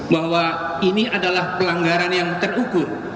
bahwa ini adalah pelanggaran yang terukur